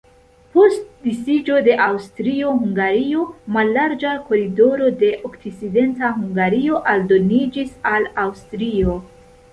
Post disiĝo de Aŭstrio-Hungario mallarĝa koridoro de Okcidenta Hungario aldoniĝis al Aŭstrio.